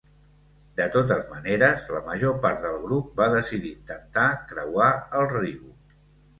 De totes maneres, la major part del grup va decidir intentar creuar el riu.